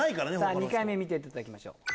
２回目見ていただきましょう。